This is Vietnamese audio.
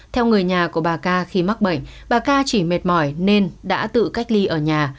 theo người nhà của bà ca khi mắc bệnh bà ca chỉ mệt mỏi nên đã tự cách ly ở nhà